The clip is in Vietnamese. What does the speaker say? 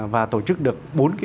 và tổ chức được bốn